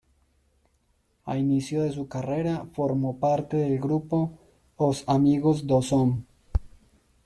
A inicio de su carrera formó parte del grupo "Os Amigos do Som".